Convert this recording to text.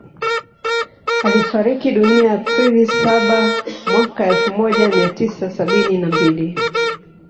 Alifariki dunia April saba mwaka elfu moja mia tisa sabini na mbili